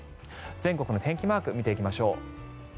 全国の天気マークを見ていきましょう。